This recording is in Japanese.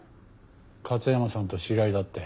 勝山さんと知り合いだって。